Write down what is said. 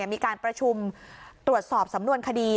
มีการประชุมตรวจสอบสำนวนคดี